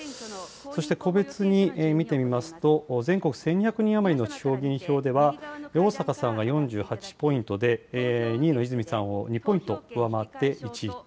そして、個別に見てみますと、全国１２００人余りの地方議員票では、逢坂さんが４８ポイントで、２位の泉さんを２ポイント上回って１位。